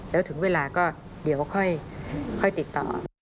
แล้วถึงเวลาก็เดี๋ยวค่อยติดต่อ